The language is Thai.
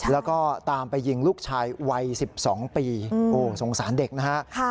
แล้วก็ตามไปยิงลูกชายวัย๑๒ปีโอ้สงสารเด็กนะฮะ